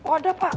oh ada pak